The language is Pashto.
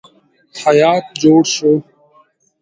هیات جوړ شو.